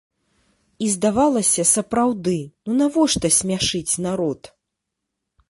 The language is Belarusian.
І, здавалася, сапраўды, ну навошта смяшыць народ?